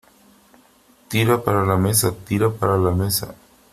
tira para la mesa , tira para la mesa .